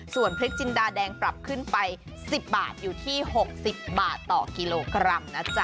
ส่วนพริกจินดาแดงปรับขึ้นไป๑๐บาทอยู่ที่๖๐บาทต่อกิโลกรัมนะจ๊ะ